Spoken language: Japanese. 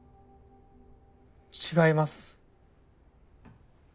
違います。